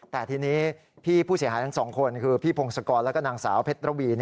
แต่ทีนี้พี่ผู้เสียหายทั้งสองคนคือพี่พงศกรแล้วก็นางสาวเพชรระวี